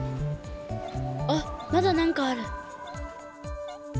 あっまだなんかある。